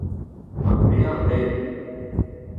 Ha bec'h dezhi !